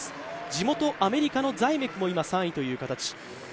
地元アメリカのザイメクも今、３位という形。